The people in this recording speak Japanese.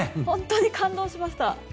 本当に感動しました。